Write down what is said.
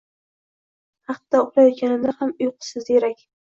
Hatto uxlayotganimda ham uyqusi ziyrak